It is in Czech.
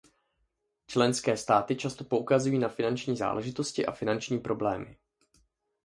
Členské státy často poukazují na finanční záležitosti a finanční problémy.